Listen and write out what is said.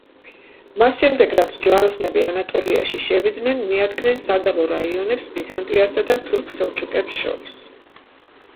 მას შემდეგ, რაც ჯვაროსნები ანატოლიაში შევიდნენ, მიადგნენ სადავო რაიონებს ბიზანტიასა და თურქ-სელჩუკებს შორის.